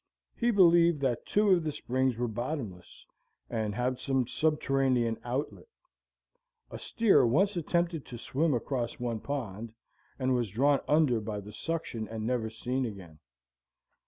He believed that two of the springs were bottomless, and had some subterranean outlet. A steer once attempted to swim across one pond, and was drawn under by the suction and never seen again.